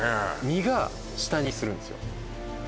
身が下にするんですよ